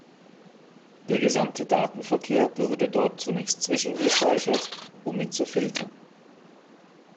Der gesamte Datenverkehr würde dort zunächst zwischengespeichert, um ihn zu filtern.